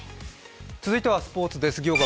続いてはスポーツです。